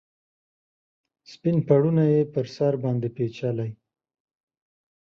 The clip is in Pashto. سپین پوړنې یې پر سر باندې پیچلي